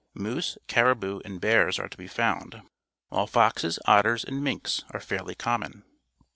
Moose, caribou. and bears are to be found, while foxes, otters, and niinks are fairly common.